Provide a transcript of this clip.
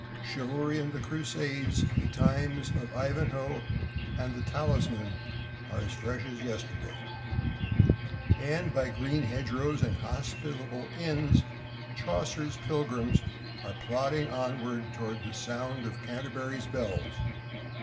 Chivalry and the Crusades, the times of Ivanhoe and The Talisman, are as fresh as yesterday. And by green hedgerows and hospitable inns, Chaucer's Pilgrims are plodding onward toward the sound of Canterbury's bells.